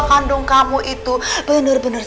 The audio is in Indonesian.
kandung kamu itu bener bener